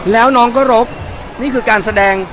แล้วน้องก็รบนี่คือการแสดง